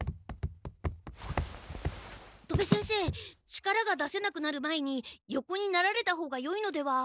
力が出せなくなる前に横になられた方がよいのでは？